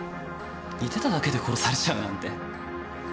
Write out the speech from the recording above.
似てただけで殺されちゃうなんて。